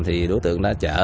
thì đối tượng đã chở